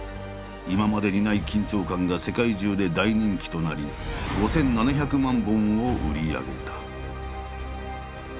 今までにない緊張感が世界中で大人気となり５，７００万本を売り上げた。